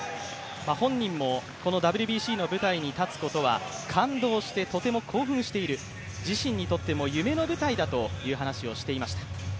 本人もこのＷＢＣの舞台に立つことは感動して、とても興奮している、自身にとっても夢の舞台だという話をしていました。